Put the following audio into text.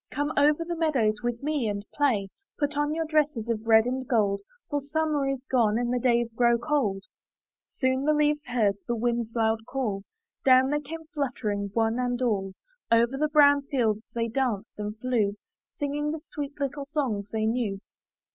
''Come over the meadows with me and play; Put on your dresses of red and gold. For summer is gone and the days grow cold." Soon as the leaves heard the wind's loud call, Down they came fluttering, one and all; Over the brown fields they danced and flew, Singing the sweet little songs they knew.